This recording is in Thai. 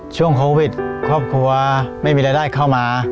ช่วงโควิดครอบครัวไม่มีรายได้เข้ามา